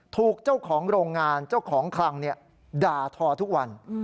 ถูกเจ้าของโรงงานเจ้าของคลังด่าทอทุกวัน